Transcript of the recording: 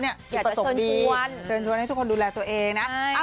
อยากจะเชิญชวนเชิญชวนให้ทุกคนดูแลตัวเองนะ